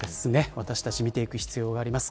私たち見ていく必要があります。